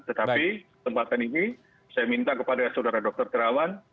tetapi kesempatan ini saya minta kepada saudara dr terawan